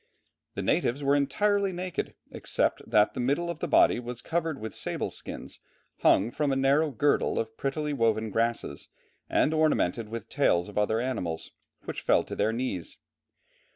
The natives were entirely naked, except that the middle of the body was covered with sable skins, hung from a narrow girdle of prettily woven grasses, and ornamented with tails of other animals, which fell to their knees.